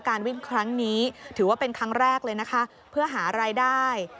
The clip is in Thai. การวิ่งครั้งนี้ถือว่าเป็นครั้งแรกเลยนะคะเพื่อหารายได้